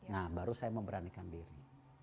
nah baru saya memberanikan diri